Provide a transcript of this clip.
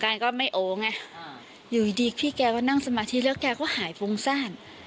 ก็ไม่โอไงอยู่ดีพี่แกก็นั่งสมาธิแล้วแกก็หายฟุ้งซ่าน